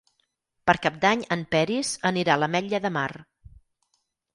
Per Cap d'Any en Peris anirà a l'Ametlla de Mar.